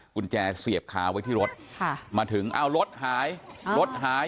กุญแจเสียบขาไว้ที่รถค่ะมาถึงเอารถหายรถหาย